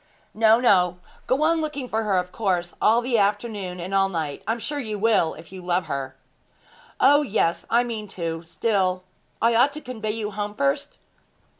'No, no; go on looking for her, of course all the afternoon, and all night. I am sure you will, if you love her.' 'O yes; I mean to. Still, I ought to convoy you home first?'